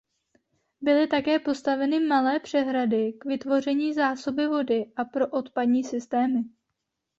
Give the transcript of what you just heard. Byly také postaveny malé přehrady k vytvoření zásoby vody a pro odpadní systémy.